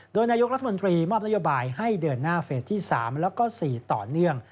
โดยนายกรัฐมนตรีมอบนโยบายให้เดินหน้าเฟสที่๓แล้วก็๔ต่อเนื่อง